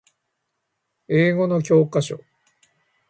英語の教科書